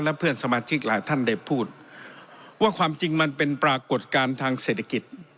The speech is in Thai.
และเพื่อนสมาชิกหลายท่านได้พูดว่าความจริงมันเป็นปรากฏการณ์ทางเศรษฐกิจ